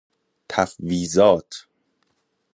تفویضات